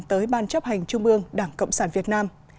tới ban chấp hành trung ương đảng cộng sản việt nam